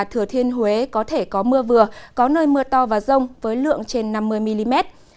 thừa thiên huế có thể có mưa vừa có nơi mưa to và rông với lượng trên năm mươi mm